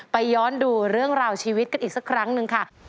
ย้อนดูเรื่องราวชีวิตกันอีกสักครั้งหนึ่งค่ะ